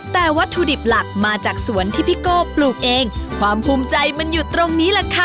แต่วัตถุดิบหลักมาจากสวนที่พี่โก้ปลูกเองความภูมิใจมันอยู่ตรงนี้แหละค่ะ